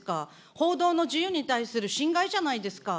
報道の自由に対する侵害じゃないですか。